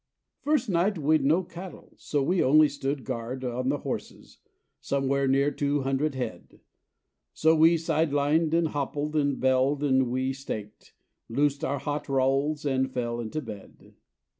First night we'd no cattle, so we only stood guard On the horses, somewhere near two hundred head; So we side lined and hoppled, we belled and we staked, Loosed our hot rolls and fell into bed.